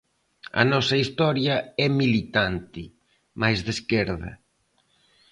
A nosa historia é militante, mais de esquerda.